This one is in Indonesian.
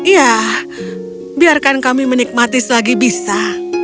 ya biarkan kami menikmati selagi bisa